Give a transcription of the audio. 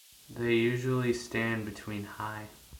They usually stand between high.